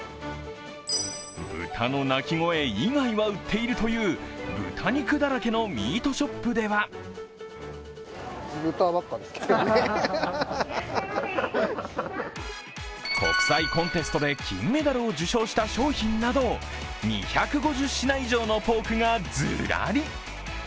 豚の鳴き声以外は売っているという豚肉だらけのミートショップでは国際コンテストで金メダルを受賞した商品など２５０品以上のポークがずらり。